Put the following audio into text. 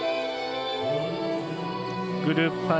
グループ５